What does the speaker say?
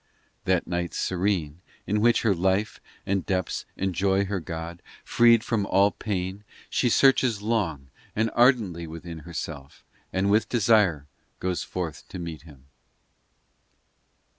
300 POEMS IX That night serene In which her life and depths enjoy her God, Freed from all pain, She searches long and ardently within herself And with desire goes forth to meet Him.